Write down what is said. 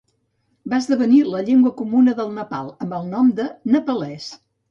Va esdevenir la llengua comuna del Nepal amb el nom de nepalès.